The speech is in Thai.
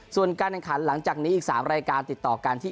ส่วนการแข่งขันหลังจากนี้อีก๓รายการติดต่อกันที่